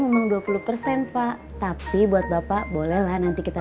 ngeluk pasang lantai